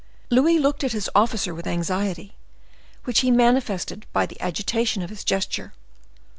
Louis looked at his officer with anxiety, which he manifested by the agitation of his gesture.